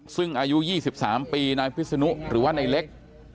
ซึ่งอายุ๒๓ปีนายพิศนุหรือว่านายเล็ก